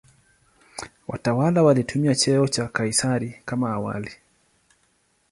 Watawala walitumia cheo cha "Kaisari" kama awali.